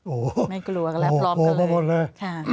โอ้โพสต์มาพอดแล้ว